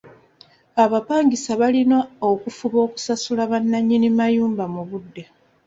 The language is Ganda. Abapangisa balina okufuba okusasula bannannyini mayumba mu budde.